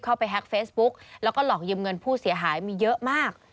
แฮ็กเฟซบุ๊กแล้วก็หลอกยืมเงินผู้เสียหายมีเยอะมาก